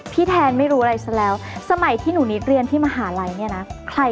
แทนไม่รู้อะไรซะแล้วสมัยที่หนูนิดเรียนที่มหาลัยเนี่ยนะ